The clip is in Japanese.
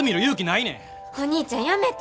お兄ちゃんやめて。